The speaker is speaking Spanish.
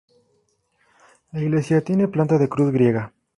La iglesia tiene planta de cruz griega.